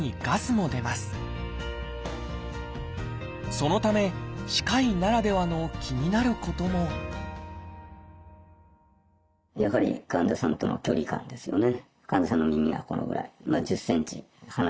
そのため歯科医ならではの気になることもやはり患者さんとの距離感ですよね。